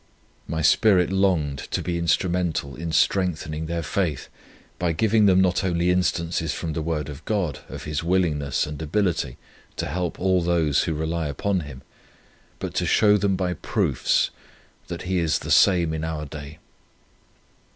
My spirit longed to be instrumental in strengthening their faith, by giving them not only instances from the word of God, of His willingness and ability to help all those who rely upon Him, but to show them by proofs, that He is the same in our day.